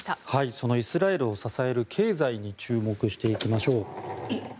そのイスラエルを支える経済に注目していきましょう。